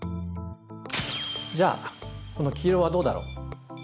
じゃあこの黄色はどうだろう？